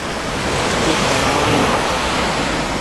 تس اران بھان۔